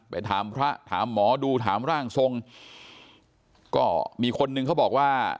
ไปถามพระถามหมอดูถามร่างทรงก็มีคนนึงเขาบอกว่า